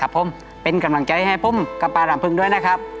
ผมเป็นกำลังใจให้ผมกับป้าลำพึงด้วยนะครับ